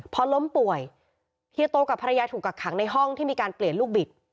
พอล้มป่วยเฮียโตกับภรรยาถูกกักขังในห้องที่มีการเปลี่ยนลูกบิด